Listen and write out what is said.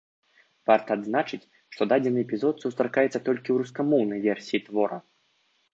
Варта адзначыць, што дадзены эпізод сустракаецца толькі ў рускамоўнай версіі твора.